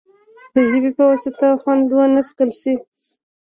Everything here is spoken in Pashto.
د ژبې په واسطه خوند ونه څکل شي.